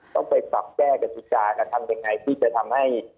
ต้องไปปรับแก้กฎิกากระทำยังไงที่จะทำให้